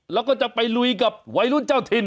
แล้วก็จะไปลุยกับวัยรุ่นเจ้าถิ่น